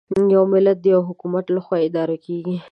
یو ملت د یوه حکومت له خوا اداره کېږي.